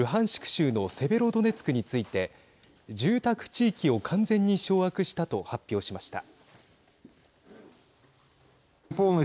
州のセベロドネツクについて住宅地域を完全に掌握したと発表しました。